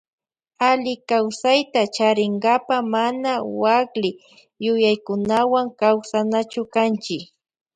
Allikawsayta charinkapa mana wakli yuyaykunawan kawsanachu kanchi.